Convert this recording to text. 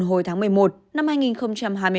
hồi tháng một mươi một năm hai nghìn hai mươi ba